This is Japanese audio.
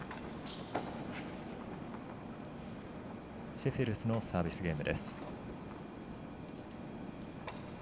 シェフェルスのサービスゲーム。